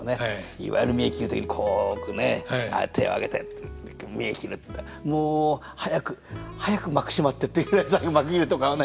いわゆる見得切る時にこう置くね手を上げて見得切るっていったらもう早く早く幕閉まってっていうぐらい最後幕切れとかはね。